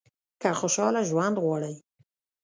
که خوشاله ژوند غواړئ .